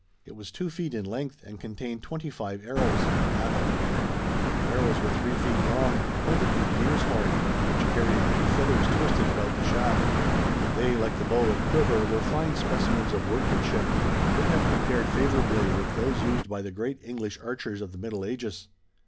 It was two feet in length and contained twenty five arrows, gano. The arrows were three feet long, pointed with deer's horn, each carrying two feathers twisted about the shaft. They, like the bow and quiver, were fine specimens of workmanship and would have compared favorably with those used by the great English archers of the Middle Ages.